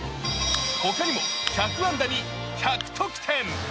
ほかにも１００安打に１００得点。